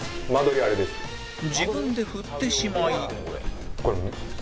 自分で振ってしまい